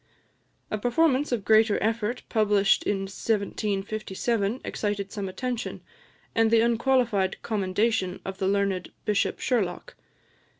A performance of greater effort, published in 1757, excited some attention, and the unqualified commendation of the learned Bishop Sherlock.